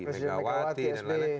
megawati dan lain lain